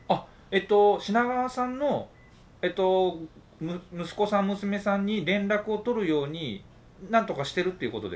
えと品川さんの息子さん娘さんに連絡を取るように何とかしてるっていうことですか？